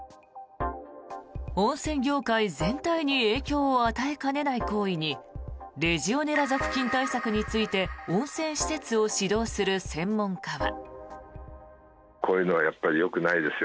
温泉業界全体に影響を与えかねない行為にレジオネラ属菌対策について温泉施設を指導する専門家は。